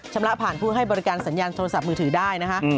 ละผ่านผู้ให้บริการสัญญาณโทรศัพท์มือถือได้นะคะ